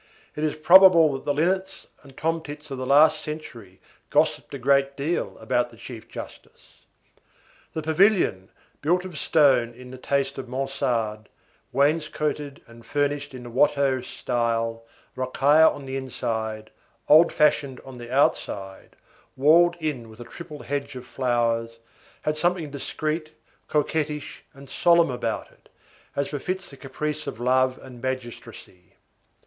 It is probable that the linnets and tomtits of the last century gossiped a great deal about the chief justice. The pavilion, built of stone in the taste of Mansard, wainscoted and furnished in the Watteau style, rocaille on the inside, old fashioned on the outside, walled in with a triple hedge of flowers, had something discreet, coquettish, and solemn about it, as befits a caprice of love and magistracy.